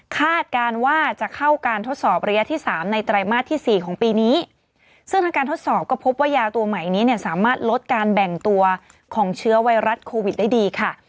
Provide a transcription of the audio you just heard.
การว่าจะเข้าการทดสอบระยะที่๓ในไตรมาสที่๔ของปีนี้ซึ่งทางการทดสอบก็พบว่ายาตัวใหม่นี้เนี่ยสามารถลดการแบ่งตัวของเชื้อไวรัสโควิดได้ดีค่ะ